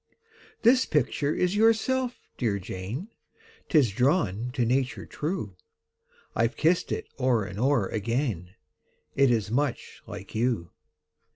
"This picture is yourself, dear Jane 'Tis drawn to nature true: I've kissed it o'er and o'er again, It is much like you."